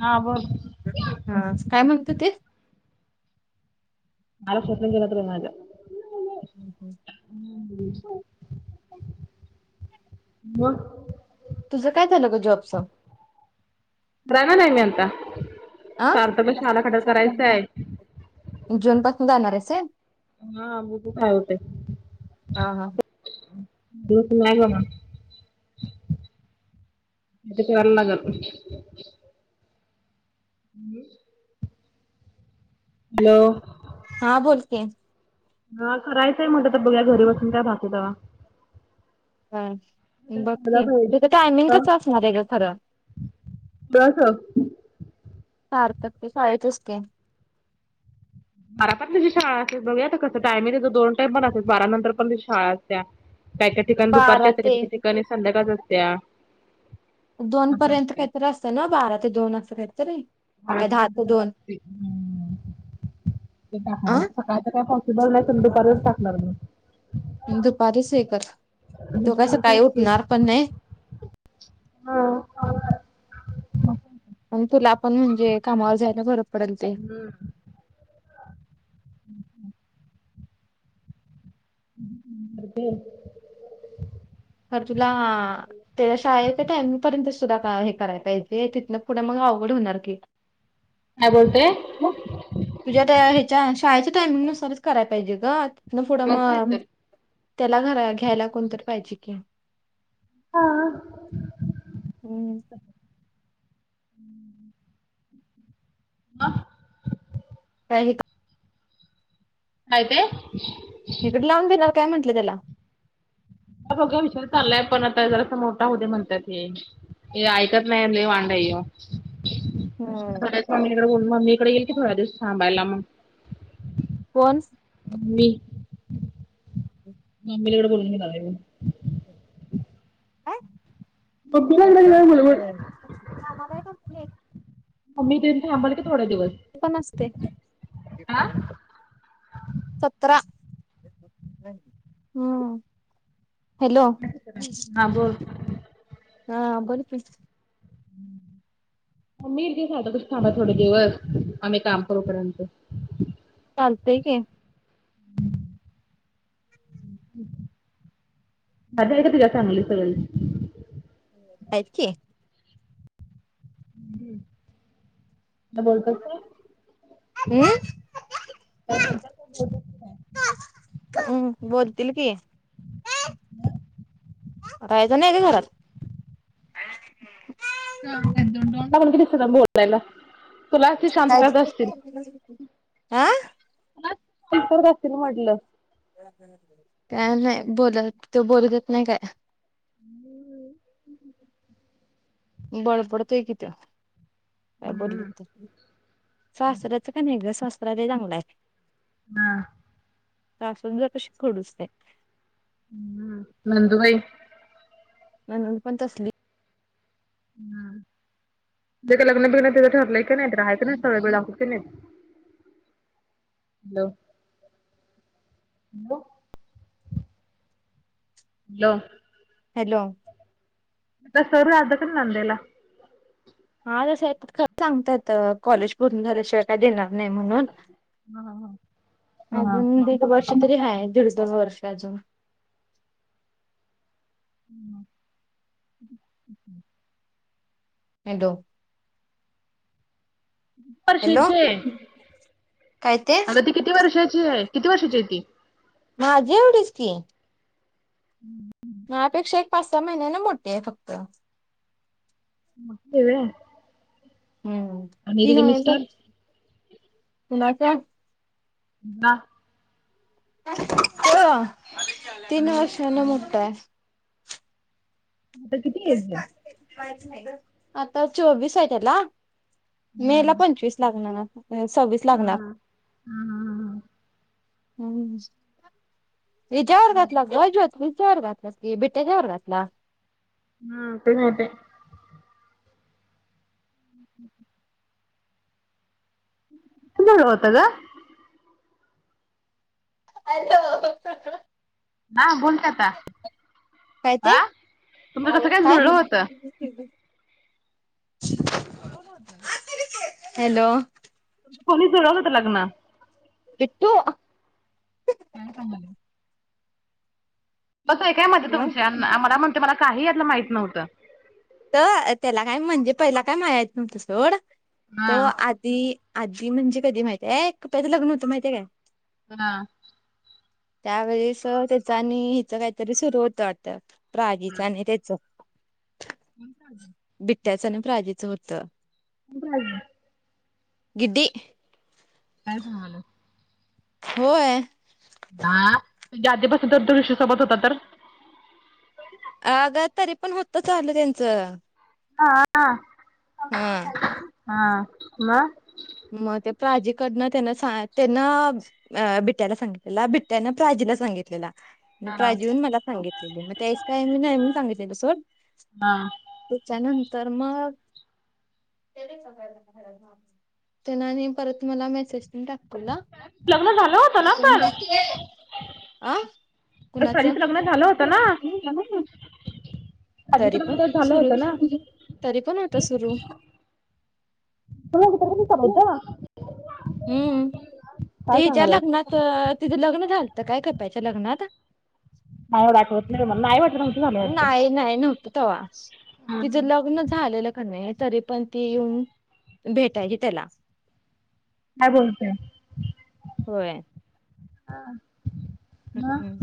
हा बघ हा काय म्हणत होतीस. मारत उचलून गेला तर माज [unintelligible] [unintelligible] मग. तुझं काय झालं ग जॉबच? राहणार आहे मी अ आता [inaudible] करायचं आहे जून पासून जाणार आहेस होय? हा बघू काय होतंय. हा हा दूध नाही बाबा [unintelligible] आता चहाला लागलं हू हॅलो हा बोल की ह करायचंय म्हटल तर बघुया घरी बसून काय भागतय तेव्हा. हाय. बघ की,, त्याच टायमिंग कसं असणार आहे गं खरं? सार्थक ते शाळेचच की. बारा पण तूझी शाळा असते, बघूया आता कसं काय,, म्हणजे त्याचं दोन टाइम पण असतात, बारा नंतर पण शाळा असत्या काय काय ठिकाणी दुपारची बारा आसत्या, काय ते काय ठिकाणी संध्याकाळचं असत्या. दोन असं पर्यंत काहीतरी असते ना बारा ते दोन असं काहीतरी. [unintelligible] आता काय दहा ते दोन अ काय पॉसिबल नाही तला दुपारचच टाकणार मी. हम्म दुपारीच हे कर,, तो काय सकाळी उठणार पण नाही. हां हां. आणी तुला पण म्हणजे कामावर जायला बरं पडल ते. हम्म. दिर खरं तुलाऽ त्याच्या शाळेच्या टायमिंग पर्यंत तुला हे कराय पाहिजे, तिथनं पुढं मग अवघड होणार की. [inaudible] काय बोलते? तुझ्या त्या ह्याच्या, शाळेच्या टायमिंग नुसारच कराय पाहिजे गं. तिथंन पुढं काय मग,, तर. त्याला घरा घ्यायला कोणतरी पाहिजे कि. हम्म हां. आ. काय हीक काय ते? हिकडं लावून देेणार काय म्हटलं त्याला? ह बघा विचार चाललाय पण आता जरासा मोठा होऊदे म्हणत्यात हे. हे आयकत नाही लई वांड आहे ह्यो. हम्म थोड्याच मम्मीकड मम्मीकडं ये की थोड्या दिवस थांबायला मग. कोण? मी. [inaudible] मम्मीला हिकढं बोलवून घेणाराय गं. काय? मम्मीला इकडे गप्प घेणार ग बोलवून. हे कामाला आहे का हे. मम्मी तेन थांबल की थोडे दिवस. मी पण असते. आ? [unintelligible] सतरा हम्म. हॅलो. हा बोल. हा बोल की. म मी ली थांबा थोडे दिवस, आम्ही काम करू पर्यंत. चालतंय की. नादरे का तुझ्या फॅमिलीत सगळे जण? हायेत की. [inaudible] मग बोलतो का काय, काय म्हणत्यात? ऊं,, बोलतील की. राहायच नाही काय घरात? [inaudible] बोलायला तुला आशी शांतता असशील आं? [unintelligible] असतील म्हटलं. काय नाही बोलत त्यो बोलगत नाही काय. हम. बडबडत्योय की त्यो काय बोलतो? सासऱ्याचं काय नाही ग सासरा लय चांगला हाय. हां. सासूचं जराशी खडूस हाय. हम नंदुबाई? ननंद पण तसली तिचं काही लग्न बिग्न तिचं ठरलंय की नाही तिला हाय की नाही स्थळ बीळ दाखवतात की नाहीत? Hello, hello. हॅलो. हॅलो. तसं राहत का ननंदेला? हा तसं आहेत खरं सांगता येत कॉलेज पूर्ण झाल्या शिवाय काय देनार नाही म्हणून अजून दी ड वर्ष तरी हाय दीड, दोन वर्ष तरी अजून. हम. हॅलो. हॅलो वर्षाची हाय काय ते? किती वर्षाची हाय, किती वर्षाची हाय ती? माझ्या एवढीच की. हम् हम् माझ्यापेक्षा एक पाच, सहा महिन्यानं मोठी हाय फक्त. मोठी हाय व्हय. हम आणि ती तुझे नोव्हेंबर मिस्टर? कुणाच्या? बा [inaudible] तो तीन हम्म. वर्षानं मोठा हाय. आता किती एज हाय? [inaudible] आता चोवीस हाय तेला मे ला पंचवीस लागणार. म्हणजे सव्वीस लागणार. हा हा हा हम्म हिच्या वर्गातला ग ज्योत हिच्या वर्गातला की, बीटाच्या वर्गातला. हा ते माहितेय. हम् किती वेळ होत ग [unintelligible] हा बोल की आता काय ते आ तुमचं कसं काय जुळलं होतं. तेज. कोणी जुळवलं होत? हॅलो! कोणी जुळवलं होतं लग्न. विठू. काय सांगालस. बस एक काय माझ हा तुमचे आणि आ मला म्हणते मला काही यातलं माहित नव्हतं. तर त्याला काय म्हणजे पहिला काय मानाय येत नव्हती सोड, हा तो ती आधी म्हणजे कधी माहितय आहे, कृपयाचं लग्न होतं माहित आहे काय. हा त्यावेळेस त्याच आणि हिचं काहीतरी सुरू होतं आता प्राचीचं आणि त्याच. हो का बिट्ट्याचं आणि प्राजेचं होतं. बाई. गीड्डी.. काय सांगल्यास. होय. हा तुझ्या आधीपासून त्याच्या आधीपासून तू ऋषी सोबत होता तर. अग तरी पण होत चालू त्यांचं. हा हा हां हा मग मग ते प्राजीकडनं त्यांना सां त्यांन अ बिट्याला सांगितलेला बिट्यानं प्राजीला सांगितलेला. हा प्राची येऊन मला सांगितलेली मग त्यास काय मी नाही म्हणून सांगितलेलं सोड. त्याच्यानंतर मग. त्यानं आणि परत मला मेसेज पण टाकलैला. लग्न झालं होतं ना पण अ कुणाचं? साजीचं लग्न झालं होतं ना तरी साजीचं पण लग्न तर झालं सुरू होतं ना होत तरी पण होता सुरू. तुम तरीपण ते चालु बत [inaudible] हम्म काय ते हीच्या सांगायल्यास? लग्नात तिझ लग्न झालतं काय कप्याच्या लग्नात. नाही आठवत नाही मला, नाही वाटत झालं वाटतं. नाही नाही नव्हतं तेव्हा तिचं हम्म लग्न झालेलं का नाही. तरी पण ती येऊन भेटायची त्याला. काय बोलतय. होय. हा ना [unintelligible]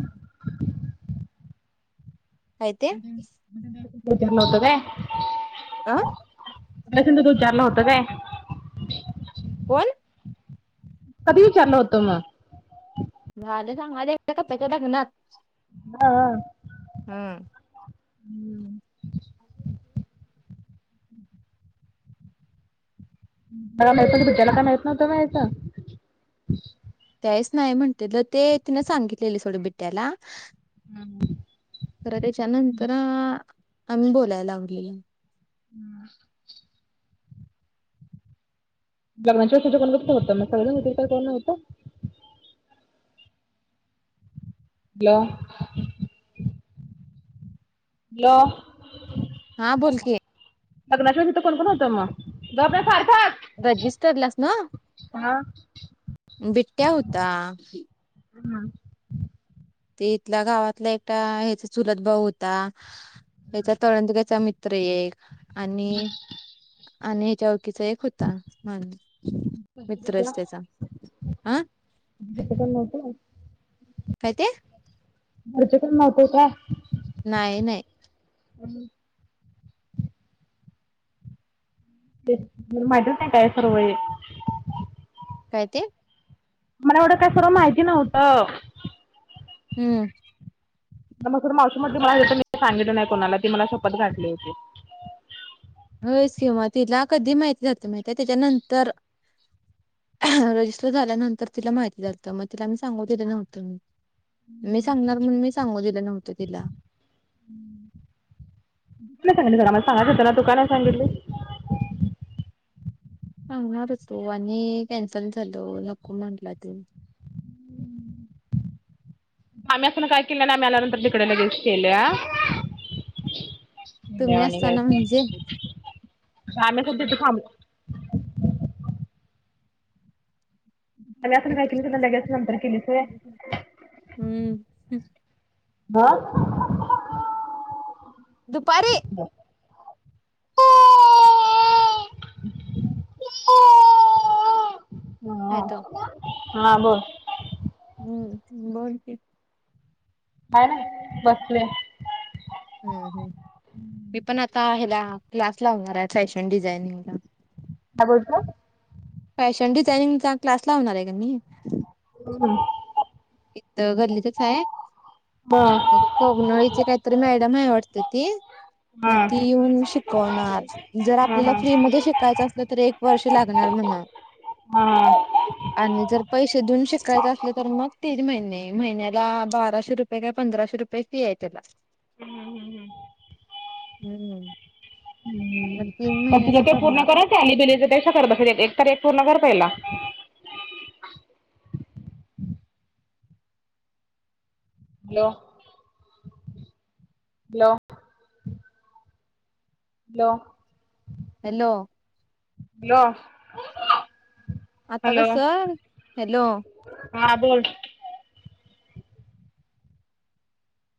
काय ते. विचारल होत काय [inaudible] आं. तर तो विचारला हों काय [inaudible] कोण? कधी विचारलं होतं मग. झाले सांगाले का प्याच्या लग्नात. हा हम्म हम्म [inaudible] मला माहित नव्हत बिट्याला काय माहित नव्हंत वयाचं. त्यावेळेस नाही म्हणलेलं ते तिनं सांगितलेले सोडं बिट्याला. हा हा. तर त्याच्यानंतर आम्ही बोलायला लावली. हम. लग्नाच्या वेळेस तुझं होत मग सगळं म्र कोण नव्हतं. हॅलो. हॅलो. हा बोल की. लग्नाच्या तिथ कोण कोण होतं मग? गप रे सार्थक. रजिस्टरलाच ना. हा बिटट्या होता. हा. ते इथल्या गावातला एकटा ह्याचा चुलत भाऊ होता. ह्याचा तळंदग्याचा मी त्र एक आणि आणि याच ओळकीचा एक होता मा दुसर हा कोण नव्हत मग? काय ते? घरचे कोण नव्हते काय? नाही नाही. ह्. मला माहितीत नाही काय सर्व हे. काय ते? मला एवढं काय सर्व माहिती नव्हतं. हम्म‌. मग मावशीमध्ये मला हे मी सांगितलं नाही कोणाला ती मला शपथ घाातली होती. होयच की मग तिला कधी माहिती झालतं माहिती आहे. त्याच्यानंतर रजिस्टर झाल्यानंतर तिला माहिती झालत मग तिला आम्ही सांगू दिलं नव्हतं म. मी सांगणार म्हणून मी सांगू दिलं नव्हतं तिला. कु नाही सांगितलं स मला सांगायच हो तु का सांगितले. सांगणार होतो आणि कॅन्सल झाल नको म्हटला तो. आम्ही असताना काय केलं नाही. आम्ही आल्या नंतर तिकडे लगेलच केले. तुम्ही ्यावाणी काय? असताना म्हणजे आम्ही कुठे तिथ थांबू. मी असण काही तु लगेच नंतर केलीच होय. हम्म. हा. दुपारी. [unintelligible] हदो थाम हम्म बोल की? काय नाही बसले. हम्म हम्म. मी पण आता हेला क्लास लावणार आहे फॅशन डिझायनिंगला. [unintelligible] फॅशन डिझायनिंगचा क्लास लावणार आहे गं मी. हम्. इथ गल्लीतच आहे. हा कोगनोळीची कायतरी मॅडम हाय वाटत ती मग ती हा येऊन शिकवणार जर हा आपल्याला हा फ्रीमध्ये शिकायचं असलं तर एक वर्ष लागणार म्हण हम्म. आणि जर पैसे देऊन शिकायचं असल तर मग तीन महिने महिन्याला बाराशे रुपये काय पंधराशे रुपये फी आहे त्याला हम्म. मग तीन पण तुज महिन्याच ते पूर्ण करणार करायच आहे अलीबिलीच तर करत बस एक तर एक पूर्ण कर पहिला hello hello hello. Hello. Hello. आता कस हॅलो हॅलो हा बोल